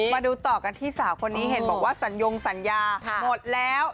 มาดูต่อกันที่สาวคนนี้เห็นบอกว่าสัญญงสัญญาหมดแล้ว